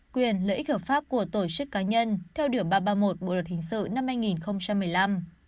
quyền lợi ích hợp pháp của tổ chức cá nhân theo điều ba trăm ba mươi một bộ luật hình sự năm hai nghìn một mươi năm